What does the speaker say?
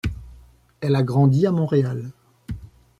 Elle a grandi à Montréal.